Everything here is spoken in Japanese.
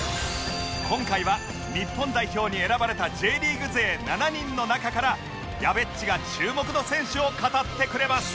今回は日本代表に選ばれた Ｊ リーグ勢７人の中からやべっちが注目の選手を語ってくれます